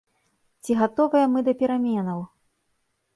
Ці гатовыя мы да пераменаў?